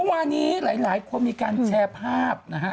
วานี้หลายคนมีการแชร์ภาพนะฮะ